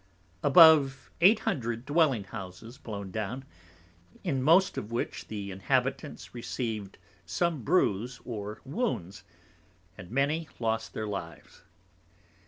Above 800 dwelling Houses blown down, in most of which the Inhabitants received some Bruise or Wounds, and many lost their Lives.